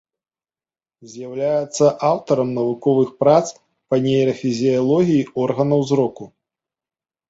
З'яўляецца аўтарам навуковых прац па нейрафізіялогіі органаў зроку.